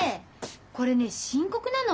これね深刻なの。